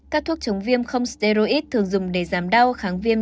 các thuốc chống viêm không seroid thường dùng để giảm đau kháng viêm